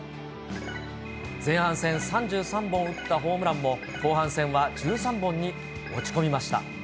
前半戦３３本打ったホームランも、後半戦は１３本に落ち込みました。